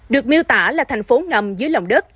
được miêu tả là thành phố ngầm dưới lòng đất